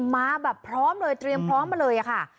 มาแบบพร้อมเลยเตรียมพร้อมมาเลยค่ะ